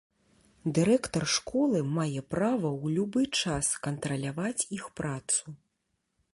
Дырэктар школы мае права ў любы час кантраляваць іх працу.